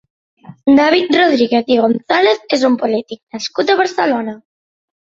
David Rodríguez i González és un polític nascut a Barcelona.